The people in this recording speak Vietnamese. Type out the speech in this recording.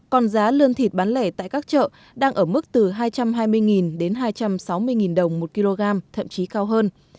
còn giá lươn thịt bán lẻ tại các chợ đang ở mức từ hai trăm hai mươi đến hai trăm sáu mươi đồng một kg thậm chí cao hơn